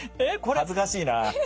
恥ずかしいな。